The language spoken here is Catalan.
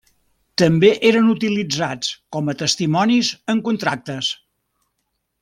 També eren utilitzats com a testimonis en contractes.